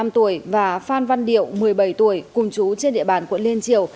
một mươi năm tuổi và phan văn điệu một mươi bảy tuổi cùng chú trên địa bàn quận liên triều